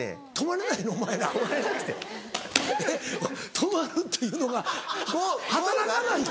止まるっていうのが働かないの？